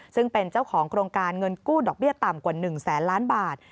ซึ่งเป็นเจ้าของโครงการเงินกู้ดอกเบี้ยต่ำกว่า๑แสนล้านบาท